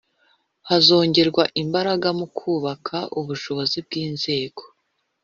hazongerwa imbaraga mu kubaka ubushobozi bw inzego